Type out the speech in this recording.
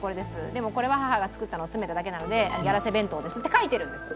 でもこれは母が作ったのを詰めただけなので「ヤラセ弁当です」って書いてるんです。